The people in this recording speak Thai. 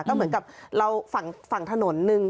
ก็เหมือนกับเราฝั่งถนนหนึ่ง